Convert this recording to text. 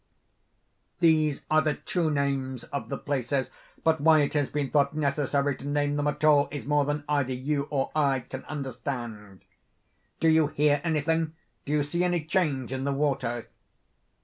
These are the true names of the places—but why it has been thought necessary to name them at all, is more than either you or I can understand. Do you hear anything? Do you see any change in the water?"